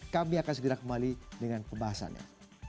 kami akan segera kembali dengan pembahasannya